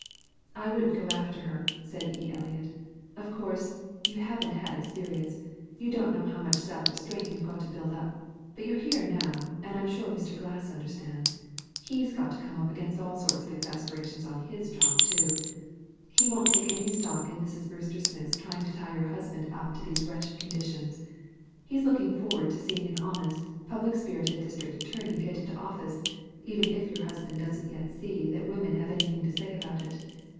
"I wouldn't go after her," said E. Eliot. "Of course, you haven't had experience. You don't know how much self restraint you've got to build up, but you're here now, and I'm sure Mr. Glass understands. He's got to come up against all sorts of exasperations on his job, too. He won't take any stock in Mrs. Brewster Smith's trying to tie your husband up to these wretched conditions. "He's looking forward to seeing an honest, public spirited district attorney get into office even if your husband doesn't yet see that women have anything to say about it.